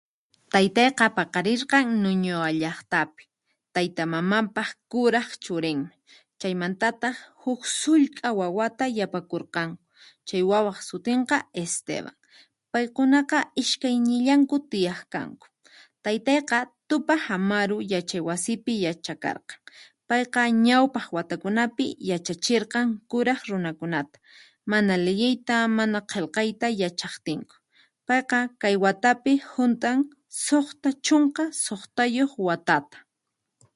Taytayqa paqarirqan Nuñoa llaqtapi, taytamamanpaq kuraq churinmi, chaymantataq huk sullk'a wawata yapakurqanku chay wawaq sutinqa Esteban. Paykunaqa iskaynillanku tiyaq kanku, taytayqa Tupac Amaru yachaywasipi yachaqarqan, payqa ñawpaq watakunapi yachachirqan kuraq runakunata, mana liyiyta mana qillqayta yachaqtinku. Payqa kay watapi hunt'an suqta chunka suqtayuq watata.